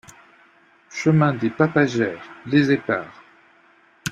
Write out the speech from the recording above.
Chemin des Papagères, Les Éparres